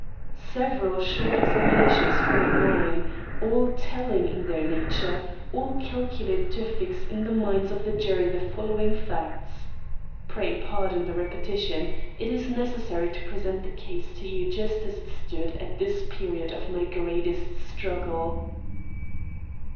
Several short examinations followed mine, all telling in their nature, all calculated to fix in the minds of the jury the following facts: (Pray pardon the repetition. It is necessary to present the case to you just as it stood at this period of my greatest struggle.)